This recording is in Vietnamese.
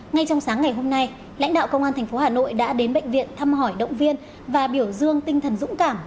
ngay trong sáng ngày hôm nay lãnh đạo công an tp hà nội đã đến bệnh viện thăm hỏi động viên và biểu dương tinh thần dũng cảm